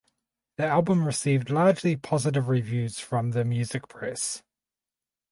The album received largely positive reviews from the music press.